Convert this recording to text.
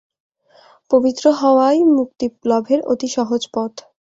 পবিত্র হওয়াই মুক্তিলাভের অতি সহজ পথ।